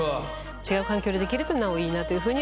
違う環境でできるとなおいいなというふうには思います。